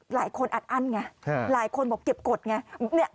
หลายคนอัดอั้นไงหลายคนบอกเก็บกฎไง